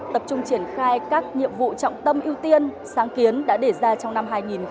tập trung triển khai các nhiệm vụ trọng tâm ưu tiên sáng kiến đã để ra trong năm hai nghìn hai mươi